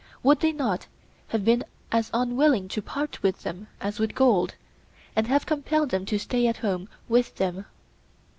Would they not have been as unwilling to part with them as with gold, and have compelled them to stay at home with them?